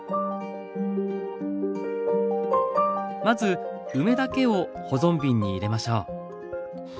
まず梅だけを保存瓶に入れましょう。